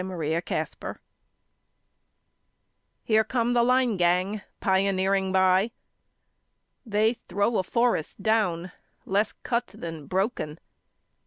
THE LINE GANG Here come the line gang pioneering by. They throw a forest down less cut than broken.